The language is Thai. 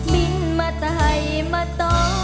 มิ้นมาใจมาต่อ